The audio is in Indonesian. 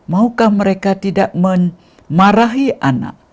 maukah mereka tidak memarahi anak